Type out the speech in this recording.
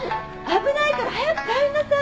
危ないから早く帰んなさい。